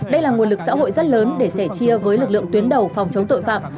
đây là nguồn lực xã hội rất lớn để sẻ chia với lực lượng tuyến đầu phòng chống tội phạm